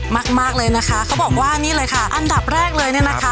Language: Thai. มากเลยนะคะเขาบอกว่านี่เลยค่ะอันดับแรกเลยเนี่ยนะคะ